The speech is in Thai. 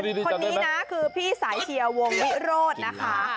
คนนี้นะคือพี่สายเชียร์วงวิโรธนะคะ